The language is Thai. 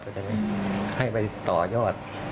ก็จะได้ให้ไปต่อยอด